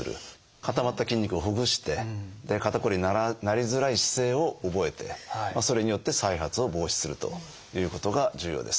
固まった筋肉をほぐして肩こりになりづらい姿勢を覚えてそれによって再発を防止するということが重要です。